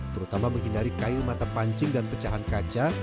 terutama menghindari kayu mata pancing dan pecahan kaca